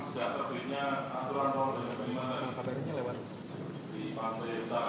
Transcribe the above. sejauh keberinan antara dan lima dari pantai utara ini